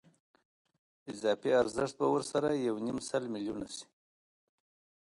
اضافي ارزښت به ورسره یو نیم سل میلیونه شي